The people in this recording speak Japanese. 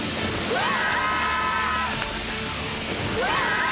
うわ！